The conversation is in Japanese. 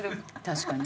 確かに。